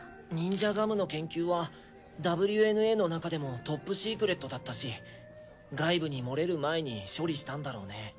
ニンジャガムの研究はＷＮＡの中でもトップシークレットだったし外部に漏れる前に処理したんだろうね。